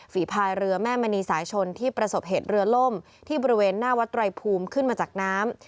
พายเรือแม่มณีสายชนที่ประสบเหตุเรือล่มที่บริเวณหน้าวัดไตรภูมิขึ้นมาจากน้ำ